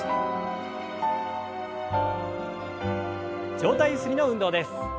上体ゆすりの運動です。